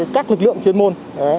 các lực lượng chuyên môn